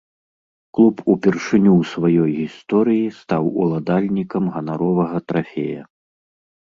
Клуб упершыню ў сваёй гісторыі стаў уладальнікам ганаровага трафея.